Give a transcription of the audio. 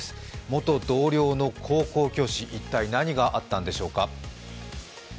元同僚の高校教師、一体何があったんでんでしょうか？